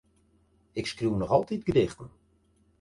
Ik skriuw noch altyd gedichten.